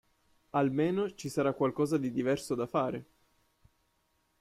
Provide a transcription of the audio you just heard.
Almeno ci sarà qualcosa di diverso da fare.